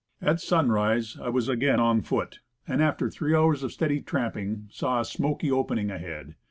At sunrise I was again on foot, and after three hours of steady tramping, saw a smoky opening ahead.